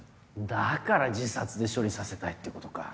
だから自殺で処理させたいってことか。